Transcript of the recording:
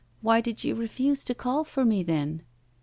Why did you refuse to call for me, then?